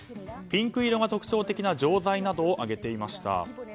ピンク色が特徴的な錠剤などを挙げていました。